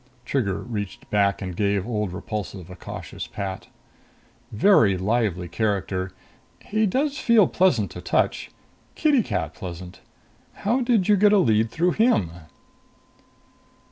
Trigger reached back and gave old Repulsive a cautious pat. "Very lively character! He does feel pleasant to touch. Kitty cat pleasant! How did you get a lead through him?"